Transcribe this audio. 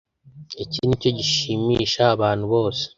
iki nicyo gishimisha abantu bose